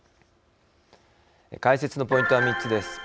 解説のポイントは３つです。